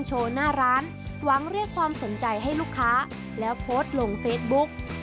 หวังเรียกความสนใจให้ลูกค้าและโพสต์ลงเฟซบุ๊ก